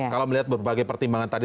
kalau melihat berbagai pertimbangan tadi